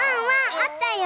あったよ！